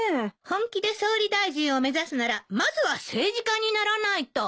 本気で総理大臣を目指すならまずは政治家にならないと。